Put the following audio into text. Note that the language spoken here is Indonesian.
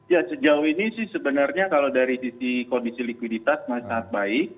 ya sejauh ini sih sebenarnya kalau dari sisi kondisi likuiditas masih sangat baik